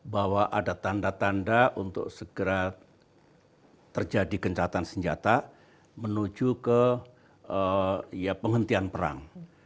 bahwa ada tanda tanda untuk segera terjadi gencatan senjata menuju ke penghentian perang